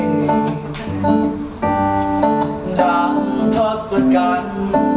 ดังทดกัน